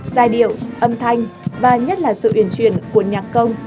giai điệu âm thanh và nhất là sự uyển chuyển của nhạc công